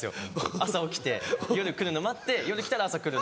朝起きて夜来るの待って夜来たら朝来るの。